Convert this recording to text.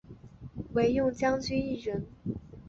惟用将军一人。